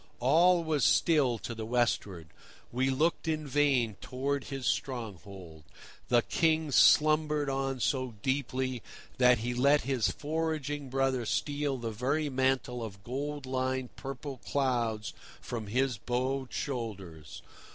All was still to the westward; we looked in vain towards his stronghold: the King slumbered on so deeply that he let his foraging brother steal the very mantle of gold lined purple clouds from his bowed shoulders.